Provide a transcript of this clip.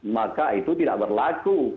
maka itu tidak berlaku